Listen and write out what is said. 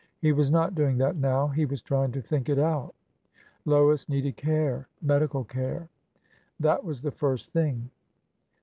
He was not doing that now. He was trying to think it out. Lois needed care— medical care. That was the first thing.